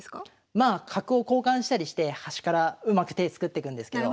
まあ角を交換したりして端からうまく手作ってくんですけど。